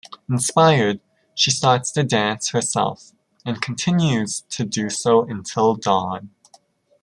Inspired, she starts to dance herself, and continues to do so until dawn.